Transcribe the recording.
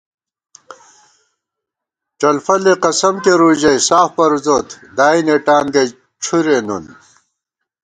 ڄلفلےقسم کېرُو ژَئی ساف پروزوت دائی نېٹانگئ ڄُھرےنُن